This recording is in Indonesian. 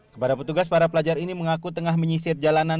kepada petugas para pelajar ini mengaku tengah menyisir jalanan